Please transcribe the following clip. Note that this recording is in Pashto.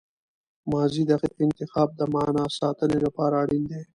ماضي دقیق انتخاب د معنی ساتني له پاره اړین دئ.